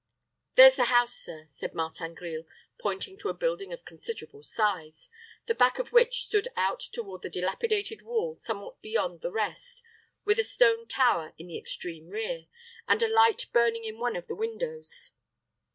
"There's the house, sir," said Martin Grille, pointing to a building of considerable size, the back of which stood out toward the dilapidated wall somewhat beyond the rest, with a stone tower in the extreme rear, and a light burning in one of the windows.